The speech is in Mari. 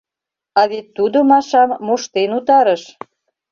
— А вет тудо Машам моштен утарыш!